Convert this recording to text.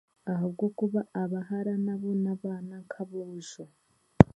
Ahabw'okuba abahara nabo n'abaana nk'aboojo.